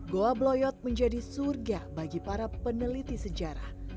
goa bloyot menjadi surga bagi para peneliti sejarah